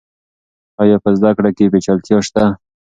آیا په زده کړه کې پیچلتیا شته؟